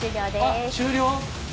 あっ終了？